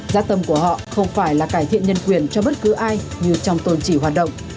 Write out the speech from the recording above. giá tâm của họ không phải là cải thiện nhân quyền cho bất cứ ai như trong tôn chỉ hoạt động